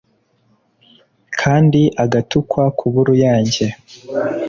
Kandi agatukwa kuba uruyange